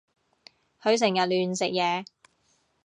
佢成日亂食嘢